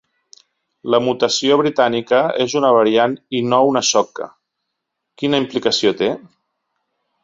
La mutació britànica és una variant i no una soca: quina implicació té?